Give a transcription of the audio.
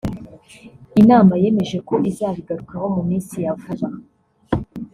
inama yemeje ko izabigarukaho mu minsi ya vuba